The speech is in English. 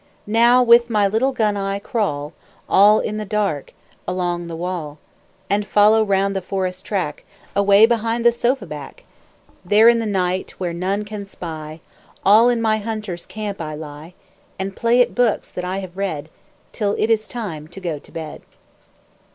Now with my little gun I crawl, All in the dark, along the wall. And follow round the forest track Away behind the sofa back. There in the night, where none can spy, All in my hunter's camp I lie, And play at books that I have read, Till it is time to go to bed.